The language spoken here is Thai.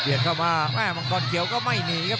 พิเตธเข้ามาหมามามังกรเขียวก็ไม่หนีครับ